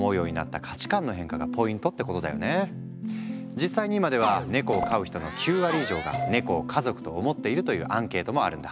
実際に今ではネコを飼う人の９割以上が「ネコを家族」と思っているというアンケートもあるんだ。